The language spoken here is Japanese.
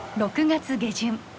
６月下旬。